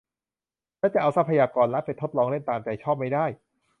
และจะเอาทรัพยากรรัฐไปทดลองเล่นตามใจชอบไม่ได้